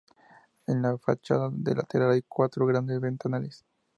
En la fachada de lateral hay cuatro grandes ventanales.